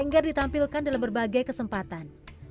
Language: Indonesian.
angger ditampilkan dalam berbagai kesempatan